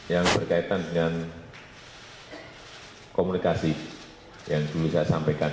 yang berkaitan dengan komunikasi yang dulu saya sampaikan